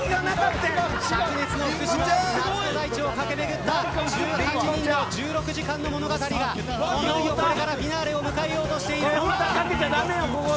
灼熱の福島夏の大地を駆け巡った１６時間の物語がいよいよこれからフィナーレを迎えようとしている。